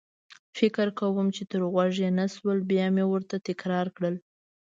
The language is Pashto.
فکر کوم چې تر غوږ يې نه شول، بیا مې ورته تکرار کړل.